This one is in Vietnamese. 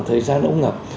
thời gian ống ngập